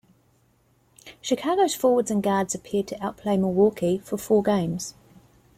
Chicago's forwards and guards appeared to outplay Milwaukee for four games.